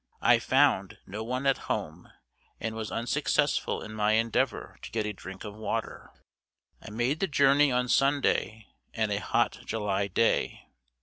I found no one at home, and was unsuccessful in my endeavor to get a drink of water. I made the journey on Sunday, and a hot July day.